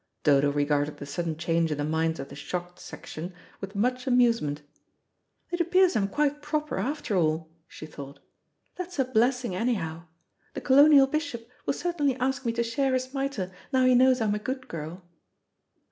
Dodo regarded the sudden change in the minds of the "shocked section" with much amusement. "It appears I'm quite proper after all," she thought. "That's a blessing anyhow. The colonial bishop will certainly ask me to share his mitre, now he knows I'm a good girl."